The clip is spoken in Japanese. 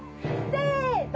せの。